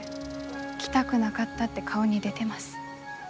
来たくなかったって顔に出てます。